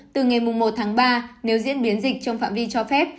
từ ngày một tháng ba nếu diễn biến dịch trong phạm vi cho phép